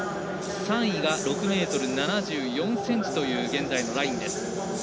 ３位が６ｍ７４ｃｍという現在のラインです。